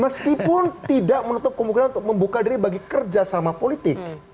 meskipun tidak menutup kemungkinan untuk membuka diri bagi kerjasama politik